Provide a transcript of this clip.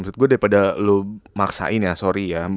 maksud gue daripada lu maksain ya sorry ya